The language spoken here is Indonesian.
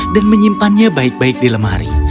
dan menyimpannya baik baik di lemari